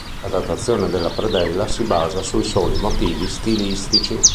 La datazione della predella si basa sui soli motivi stilistici.